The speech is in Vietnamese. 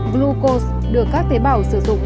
glucose được các tế bào sử dụng